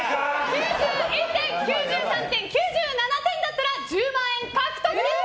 ９１点、９３点、９７点なら１０万円獲得です！